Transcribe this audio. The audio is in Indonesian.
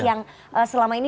yang selama ini